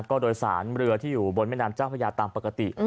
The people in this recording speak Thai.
ก็โดยสารเรือที่อยู่บนแม่น้ำเจ้าพระยาตามปกติ